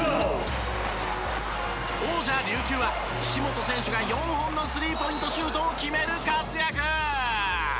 王者琉球は岸本選手が４本のスリーポイントシュートを決める活躍！